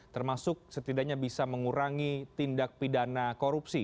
termasuk setidaknya bisa mengurangi tindak pidana korupsi